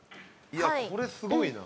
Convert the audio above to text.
いやこれすごいな。